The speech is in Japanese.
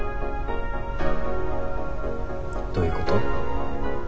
どういうこと？